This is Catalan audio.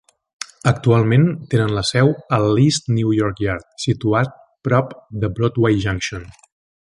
Actualment, tenen la seu a l'East New York Yard, situat prop de Broadway Junction.